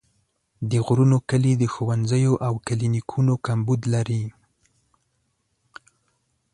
د غرونو کلي د ښوونځیو او کلینیکونو کمبود لري.